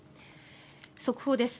速報です。